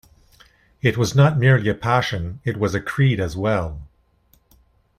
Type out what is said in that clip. It was not merely a passion — it was a creed as well.